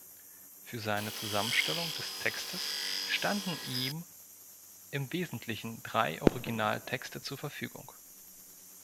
Für seine Zusammenstellung des Textes standen ihm im Wesentlichen drei Originaltexte zur Verfügung.